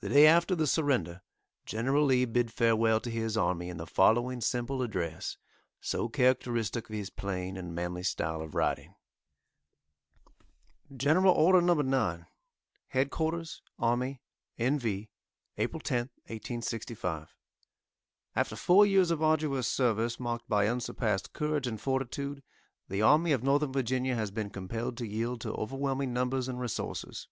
The day after the surrender General Lee bid farewell to his army in the following simple address, so characteristic of his plain and manly style of writing: GENERAL ORDER,} NO. 9.} HEADQ'RS ARMY N. V.,} APRIL 10th, 1865. } After four years of arduous service, marked by unsurpassed courage and fortitude, the Army of Northern Virginia has been compelled to yield to overwhelming numbers and resources.